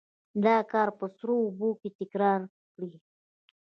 دا کار په سړو اوبو کې تکرار کړئ.